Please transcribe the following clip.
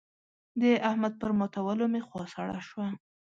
د احمد پر ماتولو مې خوا سړه شوه.